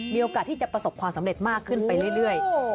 มีโอกาสที่จะประสบความสำเร็จมากขึ้นไปเรื่อย